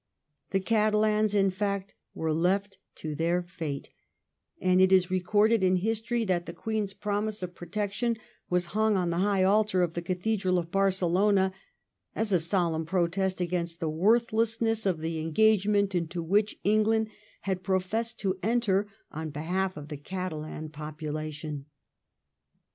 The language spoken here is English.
The Catalans, in fact, were left to their fate, and it is re corded in history that the Queen's promise of protec tion was hung on the high altar of the Cathedral in Barcelona, as a solemn protest against the worth lessness of the engagement into which England had professed to enter on behalf of the Catalan popu lation.